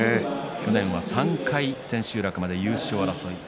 去年は３回終盤まで優勝争い。